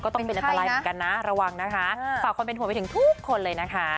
ต้องเป็นอันตรายเหมือนกันนะระวังนะคะฝากความเป็นห่วงไปถึงทุกคนเลยนะคะ